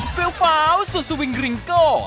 เฟ้วเฟ้าสวิงริงเกอร์